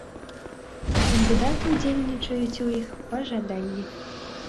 Кандыдаты ўдзельнічаюць у іх па жаданні.